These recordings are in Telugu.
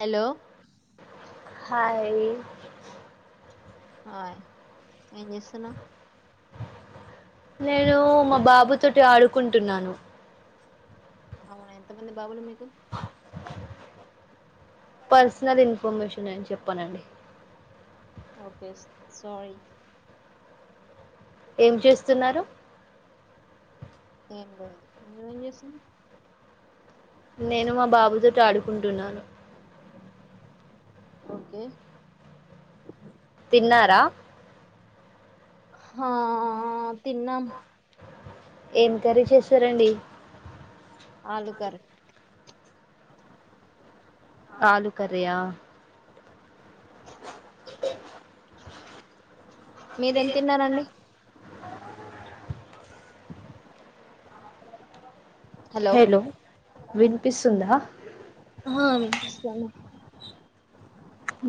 హలో రీ ఆయ్ ఏంజేసున్నావ్ నేను మా బాబు తోటి ఆడుకుంటున్నాను అవునా ఎంతమంది బాబులు మీకు పర్సనల్ ఇన్ఫర్మేషన్ నేను చెప్పనండి ఓకే సారీ ఏం చేస్తున్నారు ఏం లేదు నువ్వేం చేసునవ్ నేను మా బాబుతోటి ఆడుకుంటున్నాను ఓకే తిన్నారా హా తిన్నం ఏం కరీ చేశారండి ఆలు కర్రీ. ఆలు కర్రి ఆ. [unintelligible] మీరెం తిన్నారండి హలో వినిపిస్తుందా వినిపిస్తోంది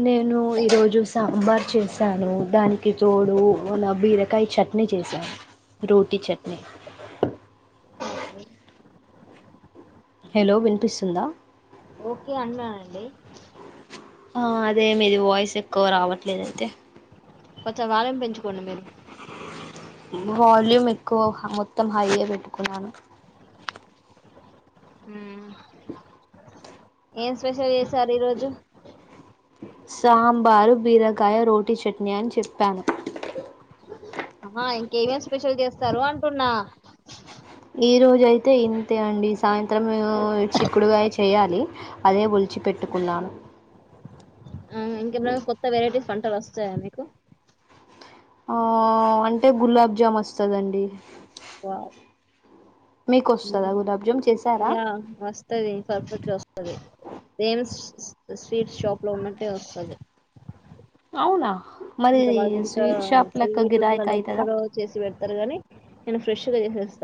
నేను ఈరోజు సాంబార్ చేశాను దానికి తోడు అలా బీరకాయ చట్నీ చేసాను రోటీ చట్నీ. ఏంటిది హలో వినిపిస్తుందా. ఓకే అన్న అండి. ఆ అదే మీది వాయిస్ ఎక్కువ రావట్లేదైతే. కొంచం వాళ్యూమ్ పెంచుకోండి మీరు వళ్యూమ్ ఎక్కువ మొత్తం హై ఎ పెట్టుకున్నాను ఊ ఏం స్పెషల్ చేసారు ఈరోజు సాంబారు బీరకాయ రోటీ చట్నీ అని చెప్పాను ఆ ఇంకేమేం స్పెషల్ చేస్తారు అంటున్నా ఈ రోజ అయితే ఇంతే అండి సాయంత్రం చిక్కుడుగాయ చేయాలి అదే ఒలిచి పెట్టుకున్న ఆమ్ ఇంకేమైనా కొత్త వెరైటీస్ కన్ అలు వస్తాయా మీకు ఆ అంటే గులాబ్ జామ్ వస్తదండి వావ్ మీకు వస్తదా గులాబ్ జామ్ చేసారా యా వస్తది పర్ఫెక్ట్ గా వస్తది రెమ్స్ స్వీట్ షాప్ లో ఉన్నట్టే వస్తది అవునా మరి ఇంత బాగా ఇంకా స్వీట్ షాప్ లెక్క స్వీట్ గిరాయికి ఉన్నది అయితదా ఎక్కడో చేసి పెడతారు గాని నేను ఫ్రెష్ గా చేసేస్త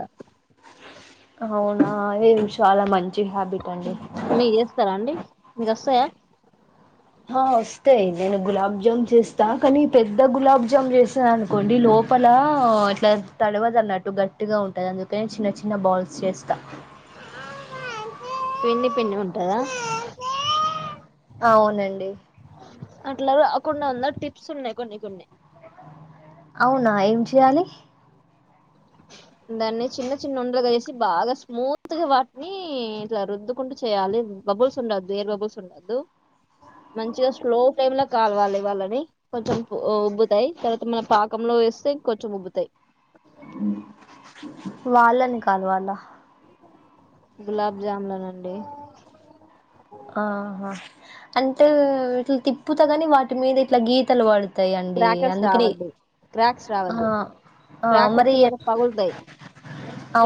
అవునా ఏ చాలా మంచి హ్యాబిట్ అండి. మీ చేస్తారా అండి మీకు వస్తాయా. ఆ వస్తాయి నేను గులాబ్ జామ్ చేస్తా కానీ పెద్ద గులాబ్ జామ్ చేసానుకోండి. లోపల అట్లా తడవదు అన్నట్టు గట్టిగా ఉంటది. అందుకని చిన్న చిన్న బాల్స్ చేస్తా పిన్ని [unintelligible] అవునండి. అట్లా గాకుండా టిప్స్ ఉన్నాయి. కొన్ని కొన్ని అవునా ఏం చేయాలి. దాన్ని చిన్న చిన్న ఉండలుగా చేసి బాగా స్మూత్ వాటిని ఇట్లా రుద్దుకుంటూ చేయాలి. బబుల్స్ ఉండొద్దు ఎయిర్ బబుల్స్ ఉండద్దు మంచిగా స్లో ఫ్లేమ్ లో కాలవాలి వాళ్ళని కొంచెం ఉబ్బుతాయి. తర్వాత మనం పాకంలో వేస్తే కొంచెం ఉబ్బుతాయి. వాళ్ళని కలవాలా గులాబ్ జామ్ లనండి ఆహా అంటే ఇట్లా తిప్పుతా కాని వాటి మీద ఇట్లా గీతలు వాడుతయి. క్రాకర్స్ రావద్దు క్రాక్స్ ఆ రావద్దు ఆ క్రాక్స్ మరి వస్తే మాత్రం పగులుతాయి.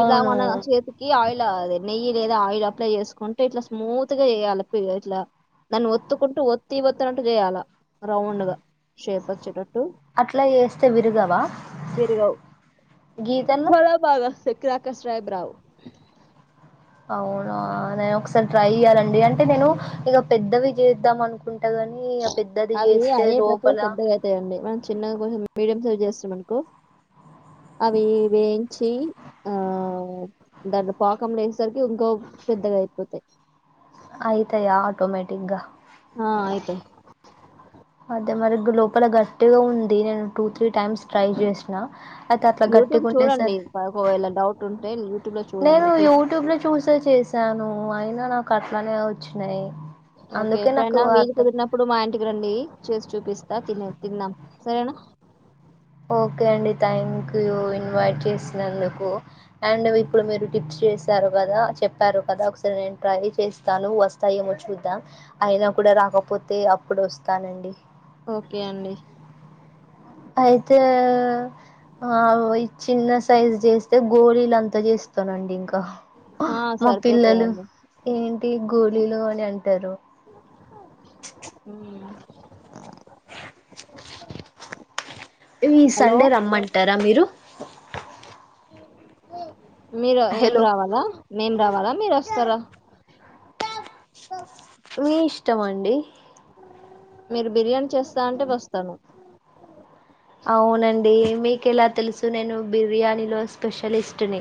ఇట్లా మన చేతికి ఆయిల్ ఇట్లా అ నెయ్యి లేదా ఆయిల్ అప్లై చేసుకుంటూ ఇట్లా స్మూత్ గా చేయాలి. ఇట్లా దాన్ని ఒత్తుకుంటూ ఒత్తి ఒతునట్టు చేయాల రౌండ్ గా షేప్ వచ్చేటట్టు అట్లా చేస్తే విరగవా విరిగవ్ గీతలు చాలా బాగా సక్రాకర్స్ సై బ్రౌ అవునా నేను ఒకసారి ట్రై చేయ్యాలండి. అంటే నేను ఇక పెద్దవి చేద్దాం. అనుకుంటు అవి అయ్యే టప్పులు పెద్దగా అవుతాయండి. మనం చిన్నగా కోసం మీడియం సైజ్ చేస్తాం అనుకో అవి వేయించి ఆ దానిలో పాకం వేసేసరికి ఇంకో పెద్దగా అయిపోతాయి. అయితయ ఆటోమెటిగ్గా ఆ అయితాయి. అదే మరి గ్ లోపల గట్టిగా ఉంది. నేను టూ త్రీ టైమ్స్ ట్రై చేసిన అయితే అట్లా యూట్యూబ్ గట్టిగా ఉండే చూడండి సర్ ప- ఒకవేళ డౌట్ ఉంటే యూట్యూబ్ లో నేను చూడండి చూసి యూట్యూబ్ లో చూసే చేశాను. అయినా నాకు అట్లానే వచ్చినాయి. ఓకే అందుకే నాకు ఎప్పుడైనా వీలు అర్థం కుదిరినప్పుడు మా ఇంటికి రండి చేసి చూపిస్తా తినే తిందాం. ఓకే అండి థ్యాంక్ యూ ఇన్వైట్ చేసినందుకు అండ్ ఇప్పుడు మీరు టిప్స్ చేసిన త్తరు కదా చెప్పారు కదా ఒకసారి నేను ట్రై చేస్తాను వస్తాయేమో చూద్దాం, అయినా కూడా రాకపోతే అప్పుడు వస్తానండి. ఓకే అండి. అయితే ఆ వొయ్ చిన్న సైజు చేస్తే గోళీలంతా చేస్తానండి ఇం క ఆ మా పిల్లలు సరిపోతాయండి ఏంటి గు లీలు ఒని అంటరు. హు ఈ హలో సండే రమ్మంట రామీరు [unintelligible] మీరు మేం హలో రావాలా మేం రావాల మీరు వస్తారా. మీ ఇస్టమండి. మీరు బిర్యాన్ చేస్త అంటే వస్తాను. అవునండి మీకు ఎలా తెలుసు నేను బిర్యానీలో స్పెషలిస్టుని.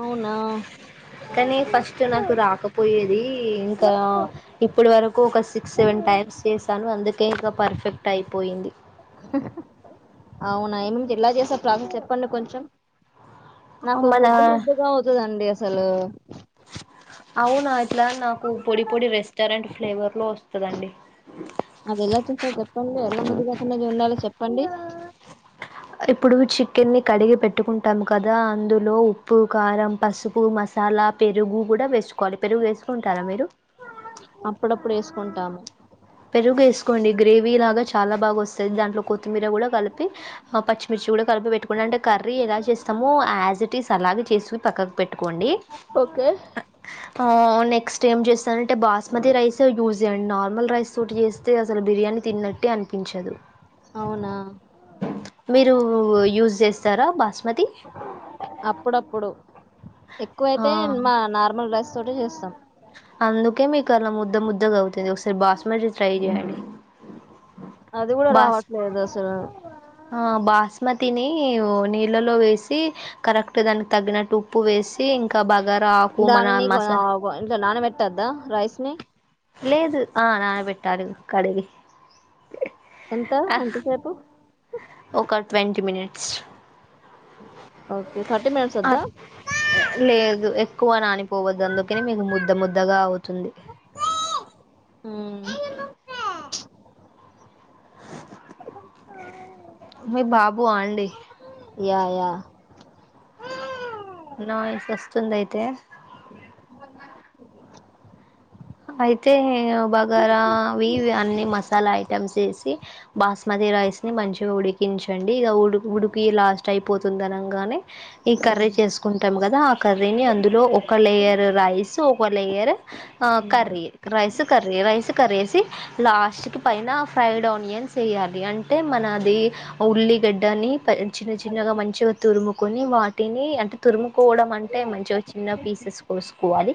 అవునా కానీ ఫస్ట్ నాకు రాకపోయేది ఇంకా ఇప్పుడు వరకు ఒక సిక్స్ సెవెన్ టైప్స్ చేసాను అందు టేకా పర్ఫెక్ట్ అయిపోయింది. అవునా ఏముం ఎలా చేసారు ప్రాసెస్ చెప్పండి కొంచెం నాకు మన ముద్దముద్దగా అవుతదండి అసలు. [unintelligible] అవునా ఇలా నాకు పొడి పొడి రెస్టారెంట్ ఫ్లేవర్లో వస్తదండి. ది ఉండాలొ చెప్పండి. అర్ ఇప్పుడు చికెన్ని కడిగి పెట్టుకుంటాము కదా, అందులో ఉప్పు, కారం, పసుపు, మసాలా, పెరుగు కూడా వేస్కోవాలి పెరుగు వేసుకుంటారా మీరు అప్పుడప్పుడు ఏసుకుంటాము. పెరుగు ఏసుకోండి గ్రేవీ లాగా చాలా బాగా వస్ సద్ దాంట్లో కొత్తిమీర కూడా కలిపి అపచ్చిమిర్చి కూడా కలిపి పెట్టుకోండి, అంటే కర్రీ ఎలా చేస్తామో యాజిటిజ్ అలాగె చేసు పక్కకు పెట్టుకోండి. ఓకే ఔ నెక్స్ట్ ఏం జేస్తారంటే బాస్మతి రైసు యూజ్ చేయ్యండ్ నార్మల్ సూట్ చేస్తే అసలు బిర్యానీ తిన్నట్టె అనిపించదు, అవునా మీరు యుజ్ జె సరా బాస్ అప్పుడప్పుడు ఆ ఎక్కువైతే మా నార్మల్ రస్ చోటు చేస్సాం. అందుకే మీకలా ముద్ద ముద్దగా అవుతది. ఒకసారి బాస్మతి ట్రై చేయండి, అది కూడా బాస్ రావట్లేదు అసలు ఆ బాస్మ తిని ఒ నీళ్ళలో వేసి కరెక్ట్ దానికి తగి ఉప్పు వేసి ఇంకా బగారా ఆకు మన మస ట్టద్దా రైస్ని లేదు ఆ నానబెట్టాలి కడిగి ఎంతా ఎంతసేపు. ఒక twenty minutes. Okay thirty minutes వద్దా లేదు ఎ క్కువా నాని పోవద్దు. అందుకనే మీకు ముద్ద ముద్దగా అవుతుంది. మ్మ్. మీ బాబు ఆండి యా యా నాయిస్ వస్తుంది అయితే. అయితే బగారా అవి ఇవి అన్నీ మసాలా ఐటెమ్స్ ఏసి. సి బాస్మతి రైస్ ని మంచిగా ఉడికించండి ఇగ ఉడ్ ఉడుకీ లాస్ట్ అయి పోతుంది అనంగానే. ఈ మ్మ్, కర్రీ చేసుకుంటాం గదా, ఆ కర్రీని అందులో ఒక లేయర్ రైసు, ఒక లేయర్ ఆ మ్మ్. Curry rice curry, rice curry ఏసి లాస్ట్ కి పైనా ఫ్రైడ్ ఆనియన్స్ ఎయ్యాలి అంటే నాదీ ఉల్లిగడ్డని చిన్న చిన్నగా మంచిగా తురుము కొనీ వాటినీ అంటే తురుము కోవడం అంటే మంచిగ చిన్న పీసెస్ కోసుకోవాలి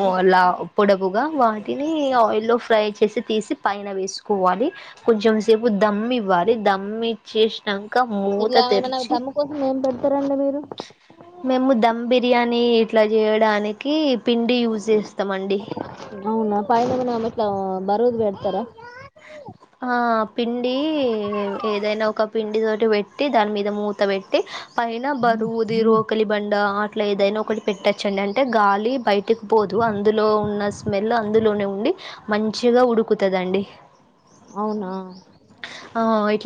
వోలా [unintelligible] గుగా వాటినీ ఆయిల్లో ఫ్రై చేసి తీసి పైన వేసుకోవాలి. కొంచెం సేపు ధమ్ ఇవ్వాలి ధమ్ ఇచ్చేసినంక మూత ఇట్లా ఏమైనా తెరిచి దమ్ము కోసం ఏం పెడతారండి మీరు మేము ధమ్ బిర్యానీ ఇట్లా జేయడానికీ పిండి యూస్ చేస్తమండి. అవునా పైనేమన్నా మిట్లా బరువుది పెడతరా. ఆ పిండీ ఏదైనా ఒక పిండి తోటి పెట్టి దాని మీద మూత పెట్టి పైనా బరువుది రోకలి బండా ఆ అట్ల ఏదైనా ఒకటి పెట్టచ్చండి. అంటే గాలి బయటకు పోదు అందులో ఉన్న స్మెల్ అందులోనే ఉండి మంచిగా ఉడుకుతదండి. అవునా ఆ ఇప్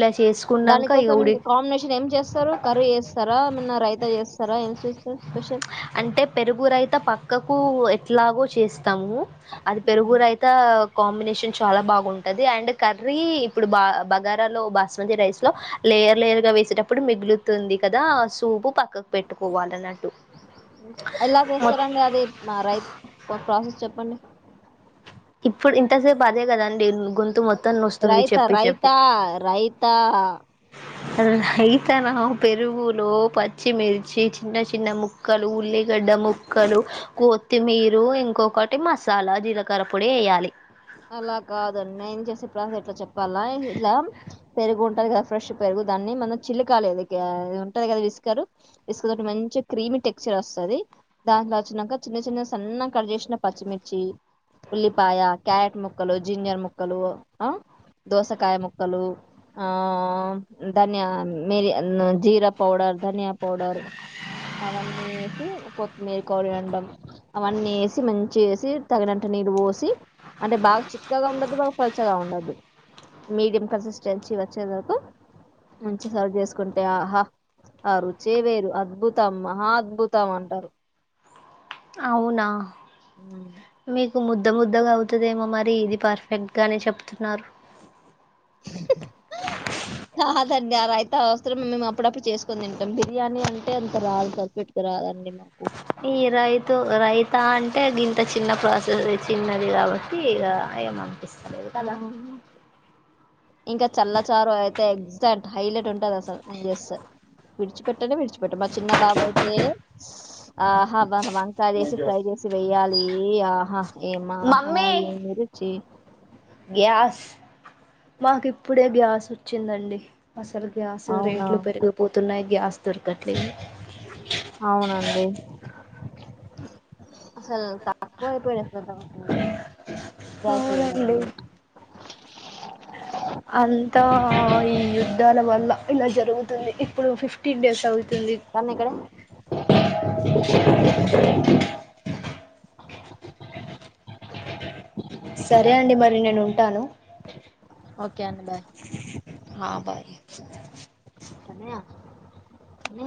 దాని కోసం ఇంక కాంబినేషన్ ఏం చేస్తరు. కర్రీ చేస్తరా ఏమన్నా రైతా చేస్తరా ఏం చేస్తర్ స్పెషల్ అంటే పెరుగు రైత పక్కకూ ఎట్లాగో చేస్త్ స్తాము అది పెరుగురైతా కాంబినేషన్ చాలా బాగుంటది. ఆండ్ కర్రీ ఇప్పుడు బా బగారా లో బాస్మతి రైస్ లో లేయర్ లేయర్ గా వేసేటప్పుడు మిగులుతుంది కదా, సూపు పక్కకు పెట్టుకోవాల అన్నట్టు. ఎలా చేస్తారండి అది మా రైత్ ప్రాసెస్ చెప్పండి. ఇప్పుడు ఇంతసేపు అదే కదండి గొంతు మొత్త రైత రైత రైత రేత నా పెరుగులో పచ్చిమిర్చి చిన్న చిన్న ముక్కలు ఉల్లిగడ్డ ముక్కలు కొత్తిమీరు ఇంకొకటి మసాలా జీలకర్ర పొడి వేయాలి అలా కాదుండి నేను చేసే ప్రాసెస్ ఎట్ల చెప్పాలా ఇట్లా పెరుగు ఉంటారు కదా ఫ్రెష్ పెరుగు దాన్ని మనం చిల్లి కాలేదు అ ద్ ఉంటంది కదా విసుకారు విసుక మంచిగ క్రీమీ టెక్స్చర్ వస్తది దాంట్లో వచ్చినాక చిన్న చిన్న సన్న కట్ చేసిన పచ్చిమిర్చి ఉల్లిపాయ క్యారెట్ ముక్కలు జింజర్ ముక్కలు ఆ దోసకాయ ముక్కలు ఆ ధనియా మీర్ ఆ జీరా పౌడర్ ధనియా పౌడర్ అవన్నీ వేసి కొత్తిమీర్ కోరి అండం అవన్నీ ఏసి మంచి వేసి తగినంత నీరు పోసి అంటే బాగా చిక్కగా ఉండద్దు బాగా పల్చగా ఉండద్దు మీడియం కన్సిస్టెన్సీ వచ్చే వరకు మంచి సర్వ్ చేసుకుంటే ఆహా ఆ రుచే వేరు అద్భుతం మహా అద్భుతం అంటారు అవునా ఉమ్. మీకు ము ద్ద ముద్దగా అవుతుందేమో మరి ఇది పర్ఫెక్ట్గానే చెప్తున్నారు గా రైత అవసరం మేము అప్పుడప్పుడు చేసుకొని తింటాం బిర్యానీ అంటే అంత రాదు పర్ఫెక్ట్ గరాదండి ఈ రైతు రైతా అంటే గింత చిన్న ప్రాసెస్ చిన్నది కాబట్టి ఇగ ఎమన్ ఆ ఇంకా చల్లచారు అయితే ఎక్సట్ హైలైట్ ఉంటది అసలు నిన్ చేస్తే విడిచిపెట్టనే విడిచిపెట్ట మా చిన్న బాబు అయితే ఆహ వంకా చేసి ఫ్రై చేసి వెయ్యాలి ఆహా ఏమ్మ ఆహా మమ్మీ ఏమి రుచి మాకు ఇప్పుడే గ్యాస్ వచ్చిందండి అసలు గ్యాస్ అవునా? రేట్లు పెరిగిపోతున్నాయి గ్యాస్ స్తుర్క అవునండి అసలు తక్కువై పోనై అవునండి [unintelligible] ఆ ఈ యుద్ధాల వల్ల ఇలా జరుగుతుంది ఇప్పుడు ఫిఫ్టీన్ డేస్ అవు తుంది కానీ ఇక్కడే సరే అండి మరి నేను ఉంటాను ఓకే అండి బాయ్ హు బాయ్ కన్నయ్య కన్నయ్య.